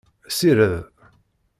Sired!